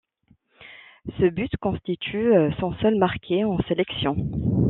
Ce but constitue son seul marqué en sélection.